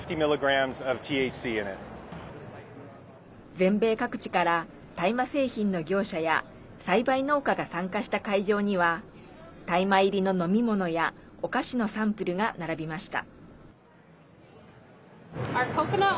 全米各地から大麻製品の業者や栽培農家が参加した会場には大麻入りの飲み物やお菓子のサンプルが並びました。